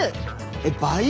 えっ倍！？